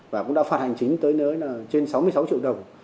và cũng đã phát hành chính tới nơi là trên sáu mươi sáu triệu đồng